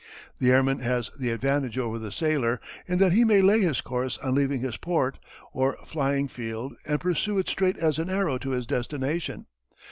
The airman has the advantage over the sailor in that he may lay his course on leaving his port, or flying field, and pursue it straight as an arrow to his destination.